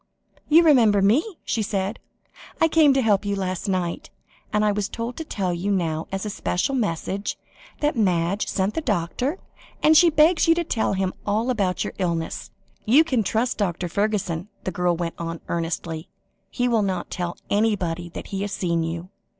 "You remember me?" she said. "I came to help you last night; and I was told to tell you now as a special message, that Madge sent the doctor, that she begs you to tell him all about your illness. You can trust Dr. Fergusson," the girl went on earnestly. "He will not tell anybody that he has seen you.